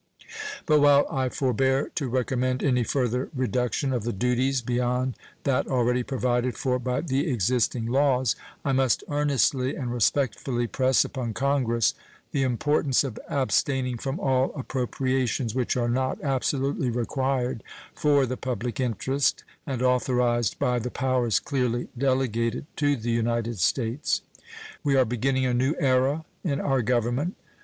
But while I forbear to recommend any further reduction of the duties beyond that already provided for by the existing laws, I must earnestly and respectfully press upon Congress the importance of abstaining from all appropriations which are not absolutely required for the public interest and authorized by the powers clearly delegated to the United States. We are beginning a new era in our Government.